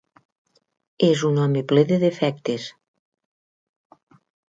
És un home ple de defectes.